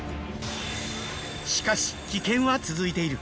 しかし危険は続いている。